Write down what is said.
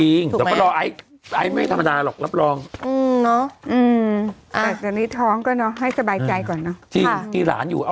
จริงแต่ก็รอไอ้ไม่ธรรมดาหรอกรับรองแต่ตอนนี้ท้องก็ให้สบายใจกว่า